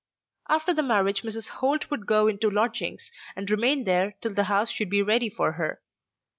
After the marriage Mrs. Holt would go into lodgings, and remain there till the house should be ready for her.